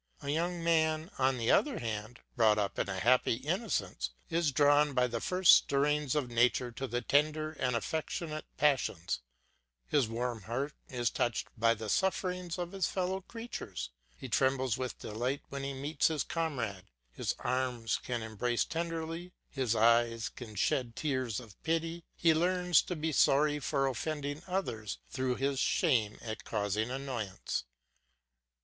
A young man, on the other hand, brought up in happy innocence, is drawn by the first stirrings of nature to the tender and affectionate passions; his warm heart is touched by the sufferings of his fellow creatures; he trembles with delight when he meets his comrade, his arms can embrace tenderly, his eyes can shed tears of pity; he learns to be sorry for offending others through his shame at causing annoyance.